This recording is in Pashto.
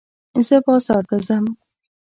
زه بازار ته ځم.